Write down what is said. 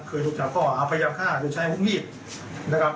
เคยถูกจากข้ออาพยาบค่าโดยใช้หุ้งลีบนะครับ